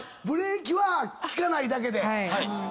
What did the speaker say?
ブレーキは利かないだけで。